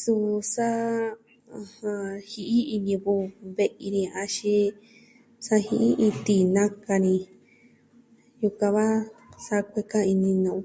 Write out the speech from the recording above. Suu sa ji'i iin ñivɨ ve'i ni axin sa ji'i iin tii naka ni yukuan sa'a kueka ini nu'u.